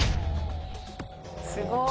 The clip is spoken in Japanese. すごい！